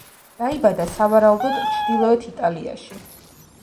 დაიბადა სავარაუდოდ ჩრდილოეთ იტალიაში.